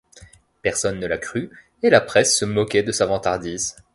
Personne ne l'a cru et la presse se moquait de sa vantardise.